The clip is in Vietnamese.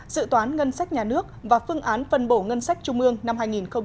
dự toán ngân sách nhà nước và phương án phân bổ ngân sách trung ương năm hai nghìn hai mươi